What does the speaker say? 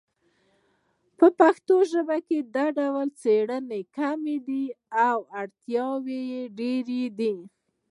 په پښتو ژبه کې دا ډول څیړنې کمې دي او اړتیا یې ډېره ده